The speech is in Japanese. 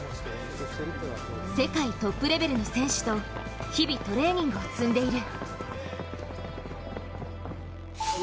世界トップレベルの選手と日々トレーニングを積んでいる。